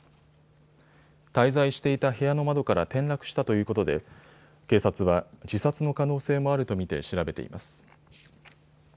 滞在していた部屋の窓から転落したということで警察は自殺の可能性もあると見て調べています。